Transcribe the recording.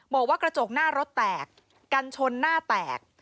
บอกว่ากระจกหน้ารถแตกกันชนหน้าแตก